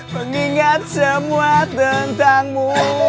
mengingat semua tentangmu